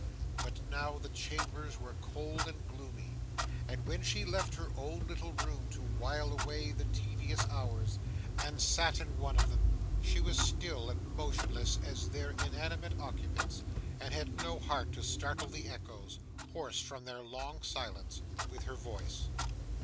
But, now, the chambers were cold and gloomy, and when she left her own little room to while away the tedious hours, and sat in one of them, she was still and motionless as their inanimate occupants, and had no heart to startle the echoes hoarse from their long silence with her voice.